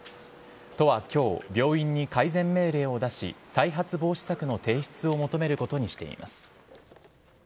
都はきょう、病院に改善命令を出し、再発防止策の提出を求めることにしています。